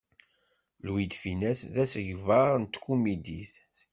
Louis de Funès d asegbar n tkumidit.